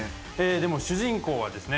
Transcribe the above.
でも主人公はですね